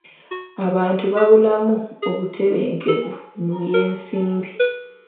Abantu babulamu obutebenkevu mu byensimbi.